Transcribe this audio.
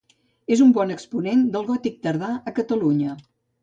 És un bon exponent del gòtic tardà a Catalunya.